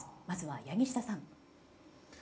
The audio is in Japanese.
まずは柳下さん。